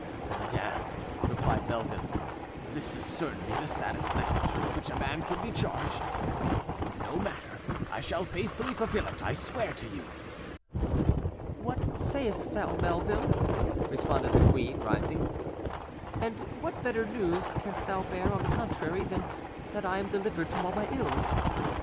"Madam," replied Melville, "this is certainly the saddest message with which a man can be charged: no matter, I shall faithfully fulfil it, I swear to you." "What sayest thou, Melville?" responded the queen, rising; "and what better news canst thou bear, on the contrary, than that I am delivered from all my ills?